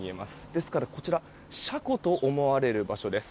ですから、こちらは車庫と思われる場所です。